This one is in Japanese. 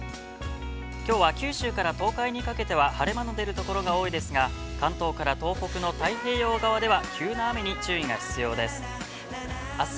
きょうは九州から東海にかけては、晴れ間の出るところが多いですが、関東から東北の太平洋側では、急な雨に注意が必要です。